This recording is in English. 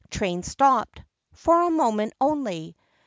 Train stopped—for a moment only.